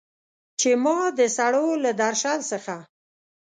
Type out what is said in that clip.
چې ما د سړو له درشل څخه